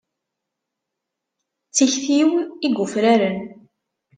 D tikti-iw i yufraren.